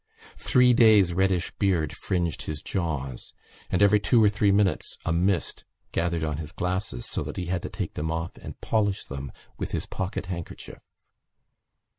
Three days' reddish beard fringed his jaws and every two or three minutes a mist gathered on his glasses so that he had to take them off and polish them with his pocket handkerchief.